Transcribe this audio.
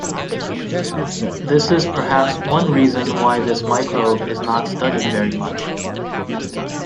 This is perhaps one reason why this microbe is not studied very much.